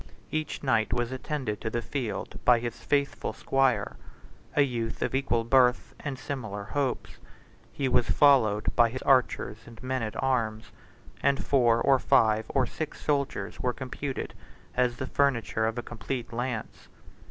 Each knight was attended to the field by his faithful squire, a youth of equal birth and similar hopes; he was followed by his archers and men at arms, and four, or five, or six soldiers were computed as the furniture of a complete lance.